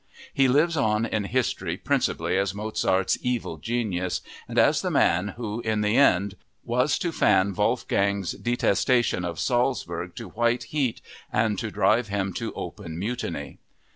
He lives on in history principally as Mozart's evil genius and as the man who, in the end, was to fan Wolfgang's detestation of Salzburg to white heat and to drive him to open mutiny.